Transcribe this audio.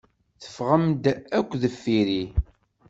Teffɣem-d akk deffir-i.